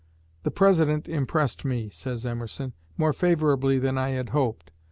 "The President impressed me," says Emerson, "more favorably than I had hoped.